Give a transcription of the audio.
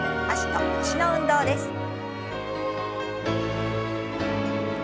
脚と腰の運動です。